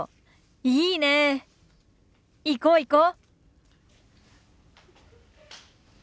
いいねえ行こう行こう。